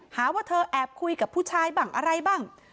หาว่าเธอแอบคุยกับผู้ชายบ้างอะไรบ้าง